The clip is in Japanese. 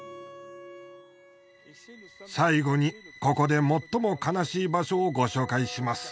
最後にここで最も悲しい場所をご紹介します。